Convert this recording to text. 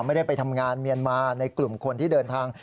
ไม่ได้ไปทำงานเมียนมาในกลุ่มคนที่เดินทาง